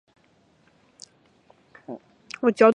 球迷称呼其为孖润肠尼马。